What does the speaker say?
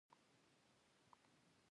دعا وکړئ